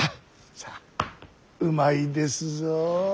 さあうまいですぞ。